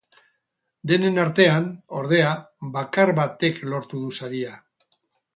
Denen artean, ordea, bakar batek lortu du saria.